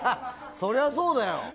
それはそうだよ。